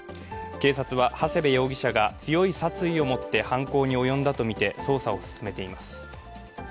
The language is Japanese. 警察は長谷部容疑者が強い殺意を持って犯行に及んだとみて、捜査を進めています。